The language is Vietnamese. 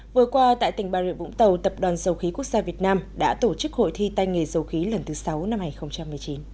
vừa qua tại tỉnh bà rịa vũng tàu tập đoàn dầu khí quốc gia việt nam đã tổ chức hội thi tay nghề dầu khí lần thứ sáu năm hai nghìn một mươi chín